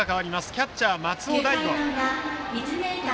キャッチャーは松尾大悟。